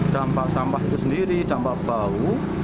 dampak sampah itu sendiri dampak bau